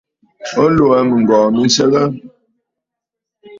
O lɔ̀ɔ̀ mɨŋgɔ̀ɔ̀ mi nsəgə?